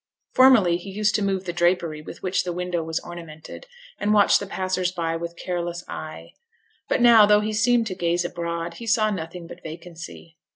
Formerly he used to move the drapery with which the window was ornamented, and watch the passers by with careless eye. But now, though he seemed to gaze abroad, he saw nothing but vacancy.